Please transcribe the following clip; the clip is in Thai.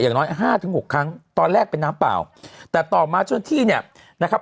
อย่างน้อย๕๖ครั้งตอนแรกเป็นน้ำเปล่าแต่ต่อมาช่วงที่เนี่ยนะครับ